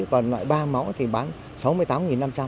còn loại ba máu thì bán sáu mươi tám năm trăm linh